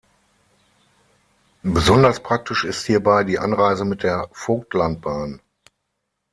Besonders praktisch ist hierbei die Anreise mit der Vogtlandbahn.